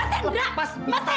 mas sandra mas sandra